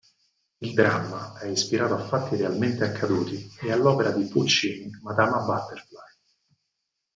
Il dramma è ispirato a fatti realmente accaduti e all'opera di Puccini "Madama Butterfly".